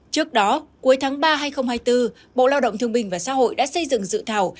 trước đó cuối tháng ba hai nghìn hai mươi bốn bộ lao động thương bình và xã hội đã xây dựng dự thảo